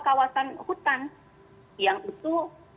kawasan hutan yang itu